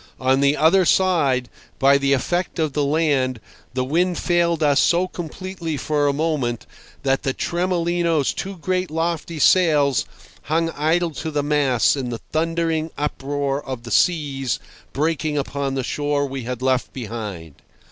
On the other side, by the effect of the land, the wind failed us so completely for a moment that the Tremolino's two great lofty sails hung idle to the masts in the thundering uproar of the seas breaking upon the shore we had left behind.